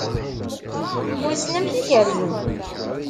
Wissen amek i kerrzen?